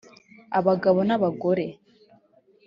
abagabo n’abagore